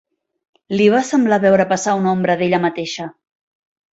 Li va semblar veure passar una ombra d'ella mateixa